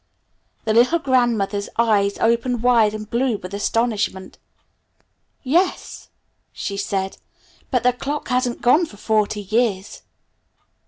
The little grandmother's eyes opened wide and blue with astonishment. "Yes," she said, "but the clock hasn't gone for forty years!"